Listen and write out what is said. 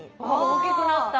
大きくなった。